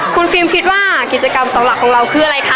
คุณฟิล์มคิดว่ากิจกรรมสองหลักของเราคืออะไรคะ